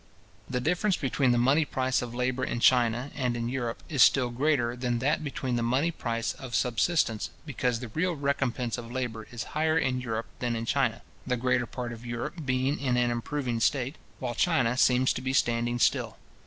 The difference between the money price of labour in China and in Europe, is still greater than that between the money price of subsistence; because the real recompence of labour is higher in Europe than in China, the greater part of Europe being in an improving state, while China seems to be standing still.